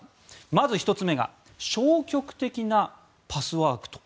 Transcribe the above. まず１つ目が消極的なパスワークと。